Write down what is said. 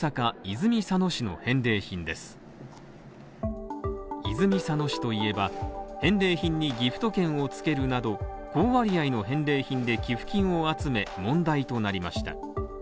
泉佐野市といえば返礼品にギフト券を付けるなど、高割合の返礼品で寄付金を集め、問題となりました。